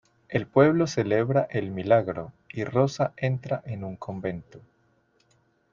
El pueblo celebra el milagro y Rosa entra en un convento.